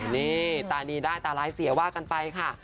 นี่ตาดีได้ตาร้ายเสียว่ากันไปค่ะ